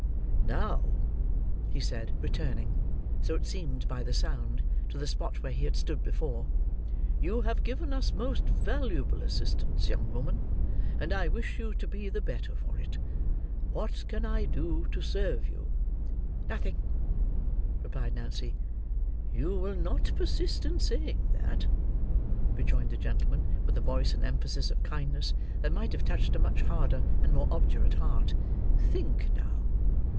"Now," he said, returning: so it seemed by the sound: to the spot where he had stood before, "you have given us most valuable assistance, young woman, and I wish you to be the better for it. What can I do to serve you?" "Nothing," replied Nancy. "You will not persist in saying that," rejoined the gentleman, with a voice and emphasis of kindness that might have touched a much harder and more obdurate heart. "Think now.